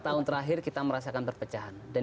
empat lima tahun terakhir kita merasakan perpecahan